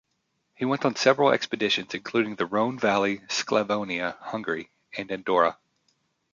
He went on several expeditions including the Rhone Valley, Sclavonia, Hungary and Andorra.